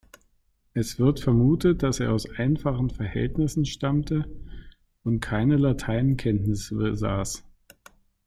Es wird vermutet, dass er aus einfachen Verhältnissen stammte und keine Lateinkenntnisse besaß.